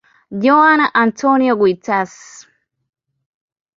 Joana Antónia Quintas.